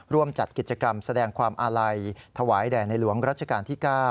ร่วมจัดกิจกรรมแสดงความอาลัยถวายแด่ในหลวงรัชกาลที่๙